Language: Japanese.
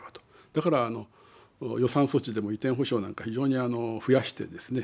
だから予算措置でも移転補償なんか非常に増やしてですね